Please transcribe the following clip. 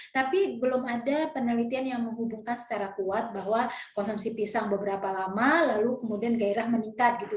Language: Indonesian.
tapi belum ada penelitian yang menghubungkan secara kuat bahwa konsumsi pisang beberapa lama lalu kemudian gairah meningkat gitu